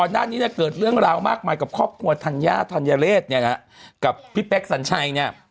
ตอนนี้เกิดเรื่องราวมากมายกับคอบควรธัญญาฮันยะเรศกับพี่แป๊กสัญชัย